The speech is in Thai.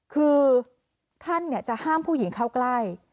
คือท่านจะห้ามผู้หญิงเข้าใกล้